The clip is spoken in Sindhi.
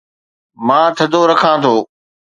مان ٿڌو رکان ٿو